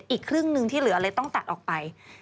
อีกครึ่งหนึ่งที่เหลือเลยต้องตัดออกไป